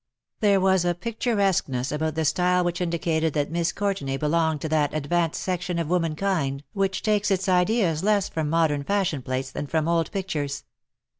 There was a picturesqueness about the style which indicated that Miss Courtenay belonged to that .advanced section of womankind which takes its ideas less from modern fashion plates than from old pictures.